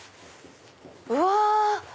うわ！